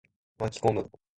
巻き込む。